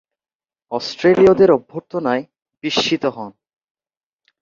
অস্ট্রেলীয়দের অভ্যর্থনায় বিস্মিত হন।